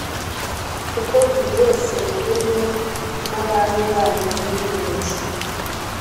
kuko buri wese muri mwe n abami banyu biyunze